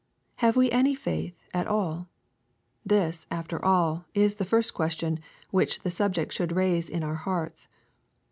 Have we any faith at all ? This, after all, is the first question which the subject should raise in our hearts.